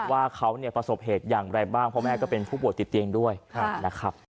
ว่าเขาเนี่ยประสบเหตุอย่างไรบ้างเพราะแม่ก็เป็นผู้ป่วยติดเตียงด้วยนะครับ